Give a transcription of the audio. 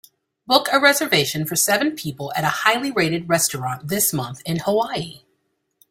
Book a reservation for seven people at a highly rated restaurant this month in Hawaii